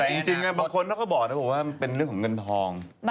แต่จริงบางคนเขาก็บอกนะบอกว่ามันเป็นเรื่องของเงินทอง